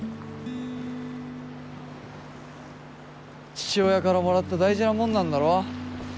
父親からもらった大事なもんなんだろ。